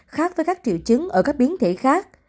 khác với các triệu chứng ở các biến thể khác